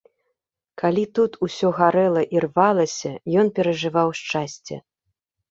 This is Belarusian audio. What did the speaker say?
Калі тут усё гарэла і рвалася, ён перажываў шчасце.